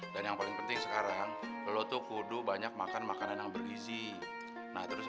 dan yang paling penting sekarang lo tuh kudu banyak makan makanan yang berisi nah terus